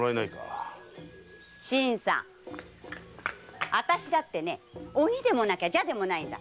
新さんあたしだって鬼でもなけりゃ蛇でもないんだ。